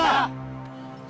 sekarang kalian coba